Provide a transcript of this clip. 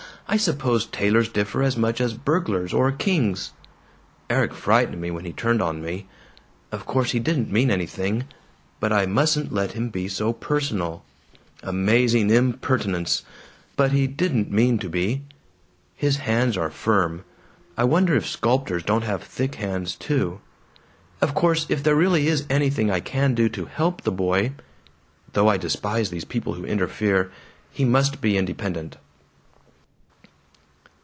I suppose tailors differ as much as burglars or kings. "Erik frightened me when he turned on me. Of course he didn't mean anything, but I mustn't let him be so personal. "Amazing impertinence! "But he didn't mean to be. "His hands are FIRM. I wonder if sculptors don't have thick hands, too? "Of course if there really is anything I can do to HELP the boy "Though I despise these people who interfere. He must be independent."